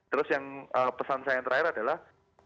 terus yang pesan saya yang terakhir adalah